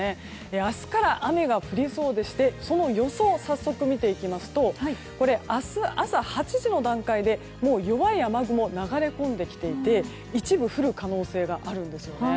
明日から雨が降りそうでしてその予想を早速、見ていきますと明日朝８時の段階で弱い雨雲流れ込んできていて一部、降る可能性があるんです。